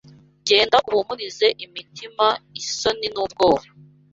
Genda uhumurize imitima isonin, ubwoba